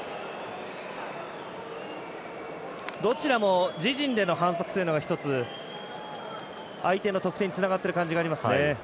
どちらも自陣での反則というのが一つ、相手の得点につながっている感じがありますね。